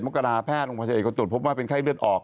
๒๗มกราศแพทย์อังกฤษตรวจพบว่าเป็นไข้เลือดออก